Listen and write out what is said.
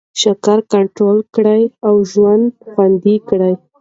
شکره کنټرول کړئ او ژوند خوندي کړئ.